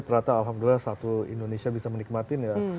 ternyata alhamdulillah satu indonesia bisa menikmatin ya